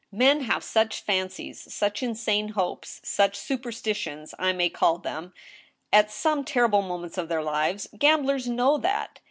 ... Men have such fancies, such insane hopes — ^such superstitions I may call them, at some terrible moments of their lives. ... Gamblers know that!